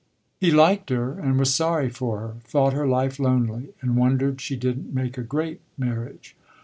He liked her and was sorry for her, thought her life lonely and wondered she didn't make a "great" marriage.